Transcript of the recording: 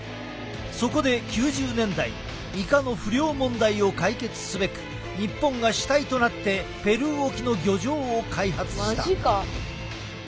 そこで９０年代イカの不漁問題を解決すべく日本が主体となってペルー沖の漁場を開発した。